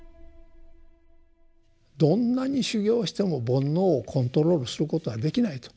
どんなに修行しても煩悩をコントロールすることはできないと。